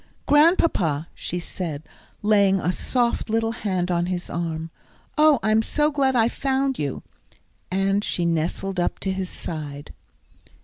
"Grandpapa," she said, laying a soft little hand on his arm. "Oh, I'm so glad I found you." And she nestled up to his side.